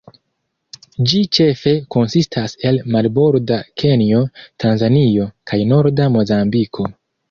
Ĝi ĉefe konsistas el marborda Kenjo, Tanzanio kaj norda Mozambiko.